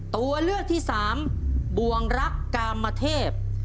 ตัวเลือกที่สามบวงรักกามเทพ